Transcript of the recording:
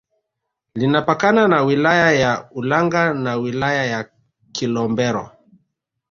Linapakana na wilaya ya Ulanga na wilaya ya Kilombero